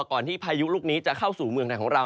ที่พายุลูกนี้จะเข้าสู่เมืองไทยของเรา